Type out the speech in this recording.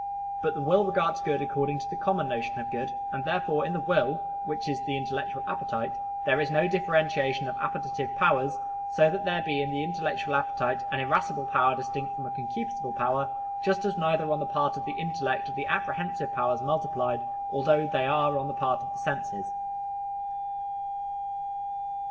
But the will regards good according to the common notion of good, and therefore in the will, which is the intellectual appetite, there is no differentiation of appetitive powers, so that there be in the intellectual appetite an irascible power distinct from a concupiscible power: just as neither on the part of the intellect are the apprehensive powers multiplied, although they are on the part of the senses.